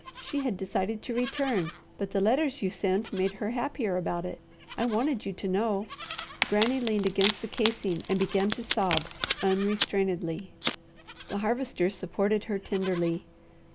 She had decided to return, but the letters you sent made her happier about it. I wanted you to know." Granny leaned against the casing, and began to sob unrestrainedly. The Harvester supported her tenderly.